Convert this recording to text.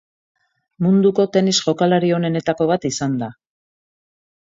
Munduko tenis-jokalari onenetako bat izan da.